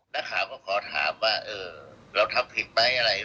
นักข่าวก็ขอถามว่าเราทำผิดไหมอะไร